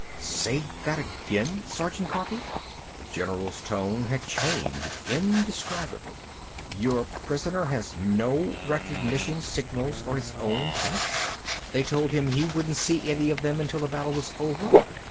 Say that again, Sergeant Coffee!" The general's tone had changed indescribably. "Your prisoner has no recognition signals for his own tanks? They told him he wouldn't see any of them until the battle was over?...